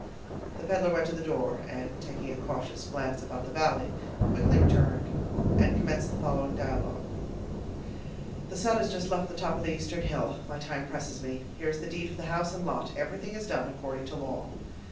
The peddler went to the door, and, taking a cautious glance about the valley, quickly returned, and commenced the following dialogue:— "The sun has just left the top of the eastern hill; my time presses me: here is the deed for the house and lot; everything is done according to law."